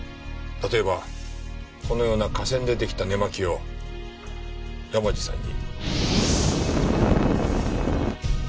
例えばこのような化繊で出来た寝間着を山路さんに。